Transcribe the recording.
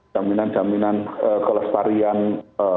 gimana pandang kesejahteraan ya